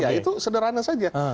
ya itu sederhana saja